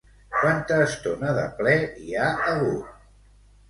Quanta estona de ple hi ha hagut?